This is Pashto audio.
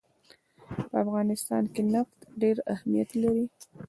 په افغانستان کې نفت ډېر اهمیت لري.